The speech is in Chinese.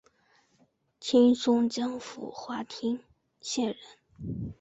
清松江府华亭县人。